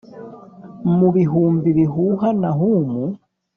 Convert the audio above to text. mu bihumbi bihuha na hum